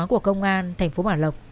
của công an thành phố bảo lộc